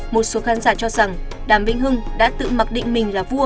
một số khán giả cho rằng đàm vĩnh hưng đã tự mặc định mình là vua